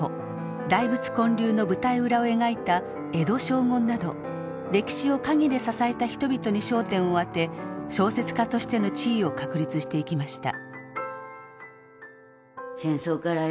大仏建立の舞台裏を描いた「穢土荘厳」など歴史を陰で支えた人々に焦点を当て小説家としての地位を確立していきました。